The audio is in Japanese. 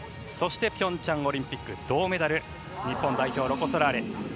そしてピョンチャンオリンピック銅メダル日本代表ロコ・ソラーレ。